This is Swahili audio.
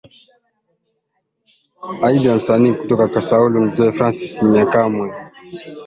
Aidha Msanii kutoka Kasulu Mzee Francis Nyakamwe